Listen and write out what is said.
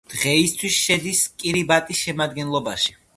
დღეისათვის შედის კირიბატის შემადგენლობაში.